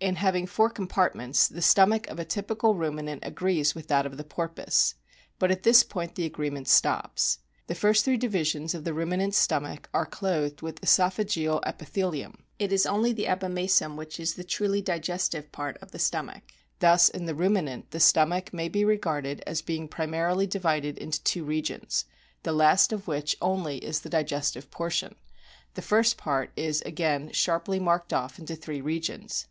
In having four compartments the stomach of a typical ruminant agrees with that of the porpoise. But at this point the agreement stops. The first three divisions of the Ruminant's stomach are clothed with oesophageal epithelium ; it is only the abomasum which is the truly digestive part of the stomach. Thus in the Ruminant the stomach may be regarded as being primarily divided into two regions, the last of which only is the digestive portion ; the first part is again sharply marked off into three regions.